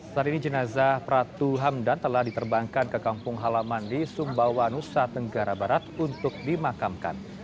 saat ini jenazah pratu hamdan telah diterbangkan ke kampung halaman di sumbawa nusa tenggara barat untuk dimakamkan